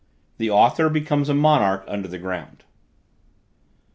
THE AUTHOR BECOMES A MONARCH UNDER THE GROUND.